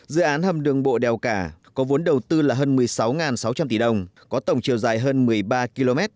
dự án hầm đường bộ đèo cả có vốn đầu tư là hơn một mươi sáu sáu trăm linh tỷ đồng có tổng chiều dài hơn một mươi ba km